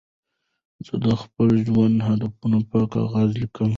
زه د خپل ژوند هدفونه په کاغذ لیکم.